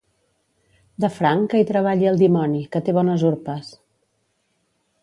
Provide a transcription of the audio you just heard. De franc, que hi treballi el dimoni, que té bones urpes.